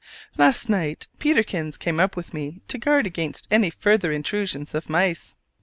Last night Peterkins came up with me to keep guard against any further intrusion of mice.